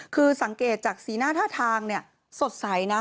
คือสังเกตจากสีหน้าท่าทางสดใสนะ